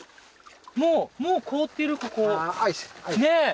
もう凍ってるここねえ。